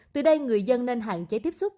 từ đây người dân nên hạn chế tiếp xúc